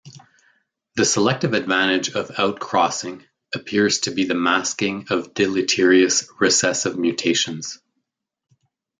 The selective advantage of outcrossing appears to be the masking of deleterious recessive mutations.